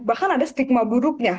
bahkan ada stigma buruknya